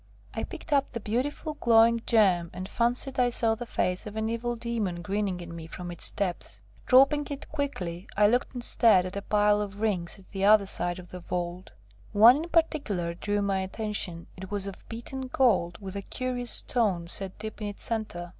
I picked up the beautiful, glowing gem, and fancied I saw the face of an evil demon grinning at me from its depths. Dropping it quickly, I looked instead at a pile of rings at the other side of the vault. One in particular drew my attention; it was of beaten gold, with a curious stone set deep in its centre.